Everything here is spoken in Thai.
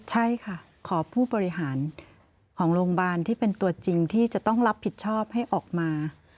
ใช่ค่ะขอผู้บริหารของโรงพยาบาลที่เป็นตัวจริงที่จะต้องรับผิดชอบให้ออกมา